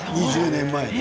２０年前に。